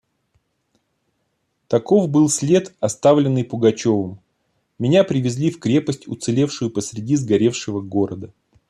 Таков был след, оставленный Пугачевым! Меня привезли в крепость, уцелевшую посереди сгоревшего города.